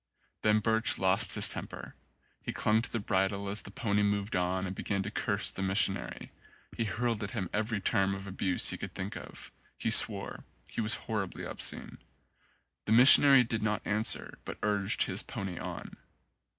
Then Birch lost his temper. He clung to the bridle as the pony moved on and began to curse the missionary. He hurled at him every term of abuse he could think of. He swore. He was horribly obscene. The missionary did not answer, but urged his pony on.